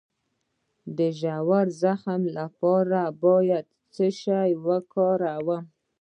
د ژور زخم لپاره باید څه شی وکاروم؟